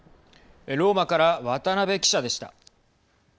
ローマから渡辺記者でした。